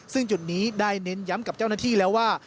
ซึ่งจุดนี้ได้เน้นย้ำกับเจ้าหน้าที่แล้วว่า